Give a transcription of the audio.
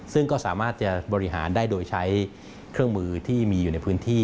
ซึ่งก็สามารถจะบริหารได้โดยใช้เครื่องมือที่มีอยู่ในพื้นที่